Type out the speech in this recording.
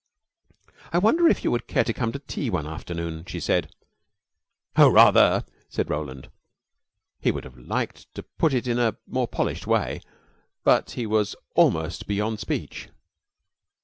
"I wonder if you would care to come to tea one afternoon," she said. "Oh, rather!" said Roland. He would have liked to put it in a more polished way but he was almost beyond speech.